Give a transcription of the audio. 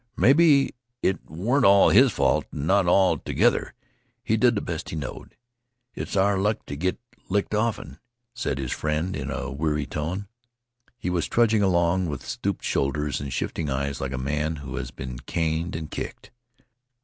"Mebbe, it wa'n't all his fault not all together. He did th' best he knowed. It's our luck t' git licked often," said his friend in a weary tone. He was trudging along with stooped shoulders and shifting eyes like a man who has been caned and kicked.